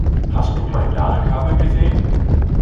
Hast du mein Ladekabel gesehen?